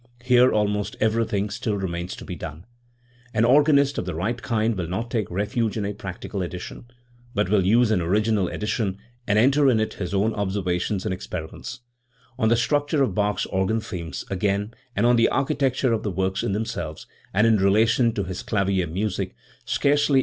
Here almost everything still remains to be done. An organist of the right kind will not take refuge in a practical edition, but will use an original edition, and enter in it his own observations and experiments. On the structure of Bach's organ themes, again, and on the architecture of the works in themselves and in relation to his clavier music, scarcely anything has been * In Schreyer's edition the phrasing is especially interesting.